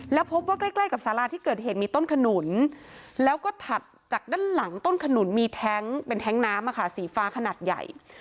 แล้วพบว่าใกล้กับสาราที่เกิดเหตุมีต้นขนุนแล้วก็ถัดจากด้านหลังต้นขนุนมีแท้งเป็นแท้งน้ำสีฟ้าขนาดใหญ่